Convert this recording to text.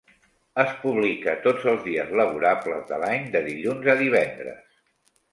Es publica tots els dies laborables de l'any, de dilluns a divendres.